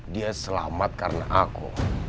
dia selamat karena aku